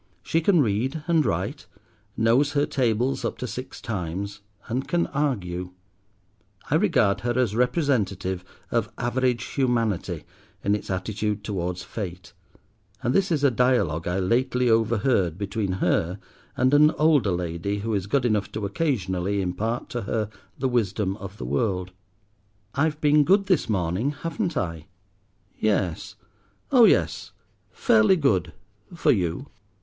She can read and write, knows her tables up to six times, and can argue. I regard her as representative of average Humanity in its attitude towards Fate; and this is a dialogue I lately overheard between her and an older lady who is good enough to occasionally impart to her the wisdom of the world— "I've been good this morning, haven't I?" "Yes—oh yes, fairly good, for you."